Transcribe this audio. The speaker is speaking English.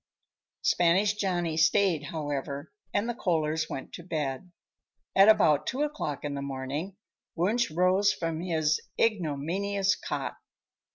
Spanish Johnny stayed, however, and the Kohlers went to bed. At about two o'clock in the morning Wunsch rose from his ignominious cot.